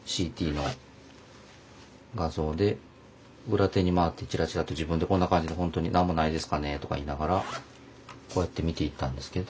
裏手に回ってチラチラと自分でこんな感じで本当に「何もないですかね」とか言いながらこうやって見ていったんですけど。